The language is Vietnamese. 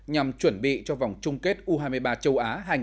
nhằm chuẩn bị cho vòng chung kết u hai mươi ba châu á hai nghìn hai mươi